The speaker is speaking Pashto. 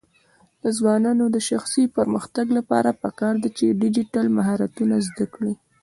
د ځوانانو د شخصي پرمختګ لپاره پکار ده چې ډیجیټل مهارتونه زده کړي.